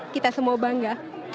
kita semua bangga